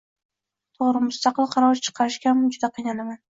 — To’g’ri, mustaqil qaror chiqarishgayam juda qiynalaman.